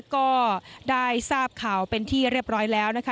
ก็ได้ทราบข่าวเป็นที่เรียบร้อยแล้วนะคะ